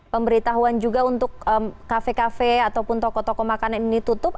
pemberitahuan juga untuk kafe kafe ataupun toko toko makanan ini tutup